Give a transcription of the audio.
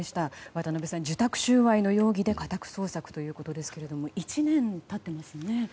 渡辺さん、受託収賄の容疑で家宅捜索ということですが１年経っていますね。